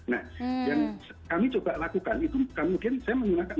nah yang kami coba lakukan itu mungkin saya menggunakan